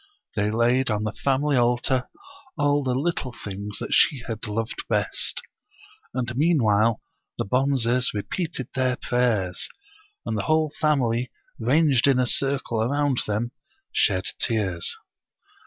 They laid on the family altar all the little things that she had loved best. And meanwhile the Bonzes repeated their prayers, and the whole family, ranged in a circle around them, shed tears.